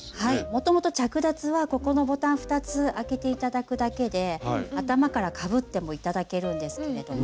もともと着脱はここのボタン２つ開けて頂くだけで頭からかぶっても頂けるんですけれども。